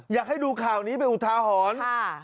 อยากให้ดูข่าวนี้ไปอุทาหอน